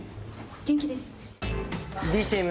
元気です！